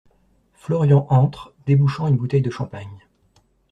Florian entre, débouchant une bouteille de champagne.